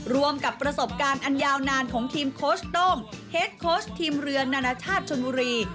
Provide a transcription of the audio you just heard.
รวมกับประสบการณ์อันยาวนานของทีมโค้ชโต้งเฮดโค้ชทีมเรือนานาชาติชนบุรี